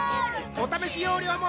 お試し容量も